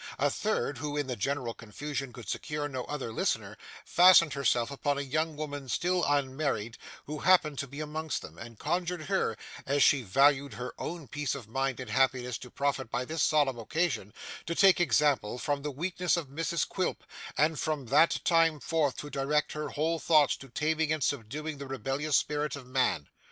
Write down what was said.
A third, who in the general confusion could secure no other listener, fastened herself upon a young woman still unmarried who happened to be amongst them, and conjured her, as she valued her own peace of mind and happiness to profit by this solemn occasion, to take example from the weakness of Mrs Quilp, and from that time forth to direct her whole thoughts to taming and subduing the rebellious spirit of man.